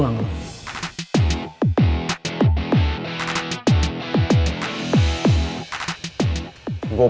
katanya kasus loh